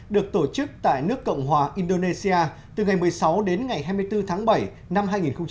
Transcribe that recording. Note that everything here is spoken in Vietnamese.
được tổ chức tại nước cộng hòa indonesia từ ngày một mươi sáu đến ngày hai mươi bốn tháng bảy năm hai nghìn hai mươi